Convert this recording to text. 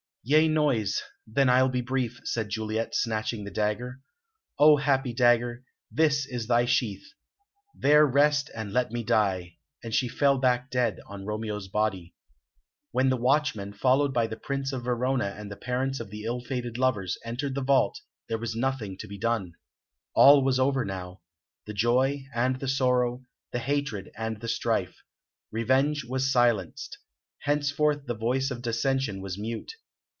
"Yea, noise! Then I'll be brief," said Juliet, snatching the dagger. "O happy dagger, this is thy sheath; there rest and let me die!" And she fell back dead on Romeo's body. When the watchmen, followed by the Prince of Verona and the parents of the ill fated lovers, entered the vault, there was nothing to be done. All was over now the joy and the sorrow, the hatred and the strife. Revenge was silenced; henceforth the voice of dissension was mute.